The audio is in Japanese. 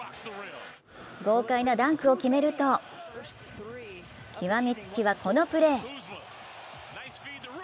豪快なダンクを決めると極めつきはこのプレー！